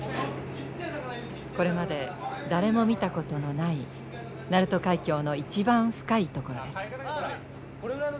これまで誰も見たことのない鳴門海峡の一番深い所です。